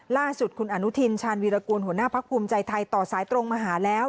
ล่าสุดคุณอนุทินชาญวีรกูลหัวหน้าพักภูมิใจไทยต่อสายตรงมาหาแล้ว